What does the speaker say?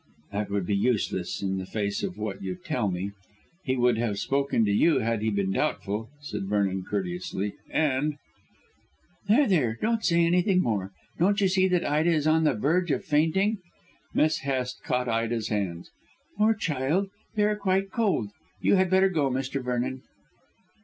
"That would be useless in the face of what you tell me. He would have spoken to you had he been doubtful," said Vernon courteously, "and " "There, there! Don't say anything more. Don't you see that Ida is on the verge of fainting?" Miss Hest caught Ida's hands. "Poor child, they are quite cold. You had better go, Mr. Vernon."